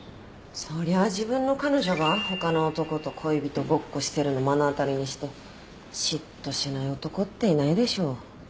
そりゃあ自分の彼女が他の男と恋人ごっこしてるの目の当たりにして嫉妬しない男っていないでしょ。